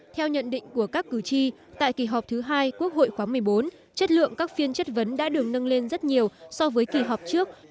theo nhận định của các cử tri tại kỳ họp thứ hai quốc hội khóa một mươi bốn chất lượng các phiên chất vấn đã được nâng lên rất nhiều so với kỳ họp trước